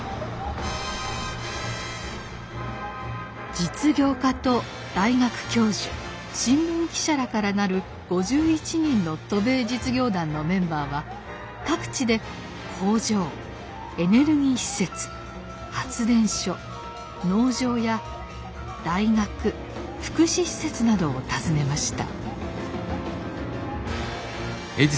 実業家と大学教授新聞記者らから成る５１人の渡米実業団のメンバーは各地で工場エネルギー施設発電所農場や大学福祉施設などを訪ねました。